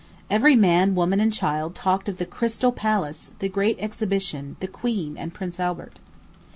Every man, woman, and child talked of "the Crystal Palace, the great exhibition, the queen, and prince Albert."